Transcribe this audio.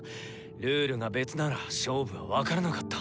ルールが別なら勝負は分からなかった。